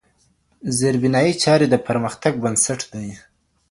زېربنايي چاري د پرمختګ بنسټ دی.